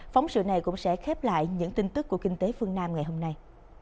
phóng sự này cũng sẽ khép lại những tin tức của kinh tế phương nam ngày hôm nay